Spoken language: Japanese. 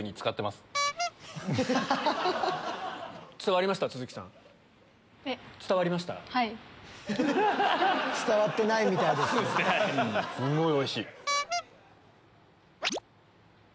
すんごいおいしい！